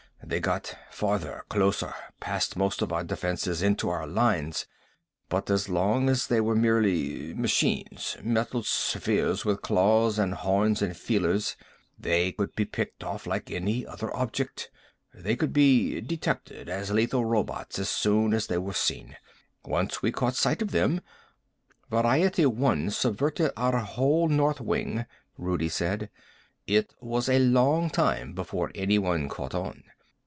They got farther, closer, past most of our defenses, into our lines. But as long as they were merely machines, metal spheres with claws and horns, feelers, they could be picked off like any other object. They could be detected as lethal robots as soon as they were seen. Once we caught sight of them " "Variety One subverted our whole north wing," Rudi said. "It was a long time before anyone caught on.